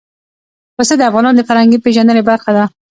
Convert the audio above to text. پسه د افغانانو د فرهنګي پیژندنې برخه ده.